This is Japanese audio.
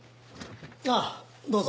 ああどうぞ。